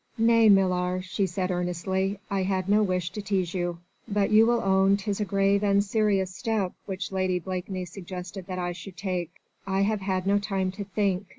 "Nay, milor," she said earnestly, "I had no wish to tease you. But you will own 'tis a grave and serious step which Lady Blakeney suggested that I should take. I have had no time to think